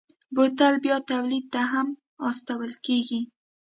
بوتل بیا تولید ته هم استول کېږي.